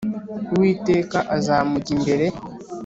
Uwiteka azamujya imbere